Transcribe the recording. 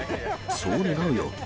そう願うよ。